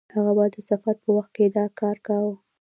هغه به د سفر په وخت هم دا کار کاوه.